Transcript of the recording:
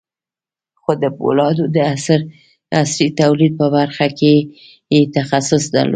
خو د پولادو د عصري توليد په برخه کې يې تخصص درلود.